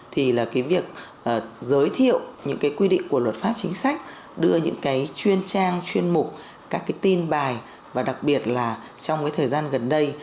thì là cái việc giới thiệu những cái quy định của luật pháp chính sách đưa những cái chuyên trang chuyên mục các cái tin bài và đặc biệt là trong cái thời gian gần đây